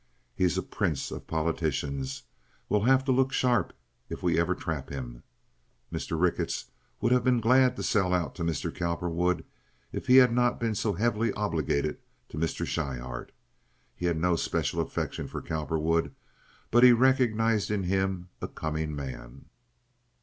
"He's a prince of politicians. We'll have to look sharp if we ever trap him" Mr. Ricketts would have been glad to sell out to Mr. Cowperwood, if he had not been so heavily obligated to Mr. Schryhart. He had no especial affection for Cowperwood, but he recognized in him a coming man.